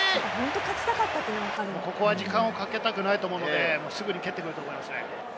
ここは時間をかけたくないと思うので、すぐに蹴ってくると思いますね。